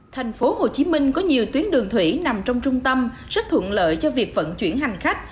tp hcm có nhiều tuyến đường thủy nằm trong trung tâm rất thuận lợi cho việc vận chuyển hành khách